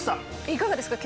いかがですか？